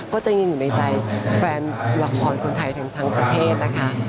ก็จะยิ่งอยู่ในใจแฟนหลักพรคุณไทยทั้งทั้งประเทศนะคะ